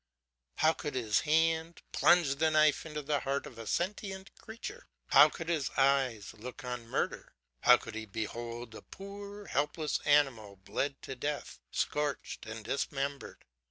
How could his hand plunge the knife into the heart of a sentient creature, how could his eyes look on murder, how could he behold a poor helpless animal bled to death, scorched, and dismembered?